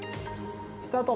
スタート。